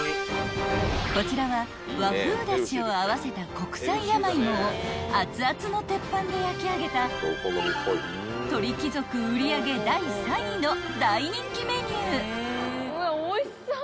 ［こちらは和風だしを合わせた国産山芋を熱々の鉄板で焼き上げた鳥貴族売り上げ第３位の大人気メニュー］